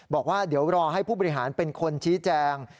บอกว่าเดี๋ยวรอให้ผู้บริหารเป็นคนชี้แจง